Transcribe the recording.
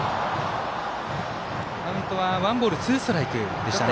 カウントはワンボールツーストライクでしたね。